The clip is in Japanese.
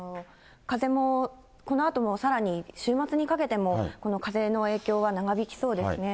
風もこのあともさらに、週末にかけても、この風の影響は長引きそうですね。